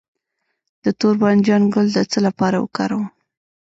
د تور بانجان ګل د څه لپاره وکاروم؟